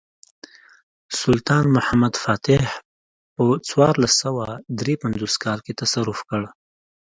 سلطان محمد فاتح په څوارلس سوه درې پنځوس کال کې تصرف کړ.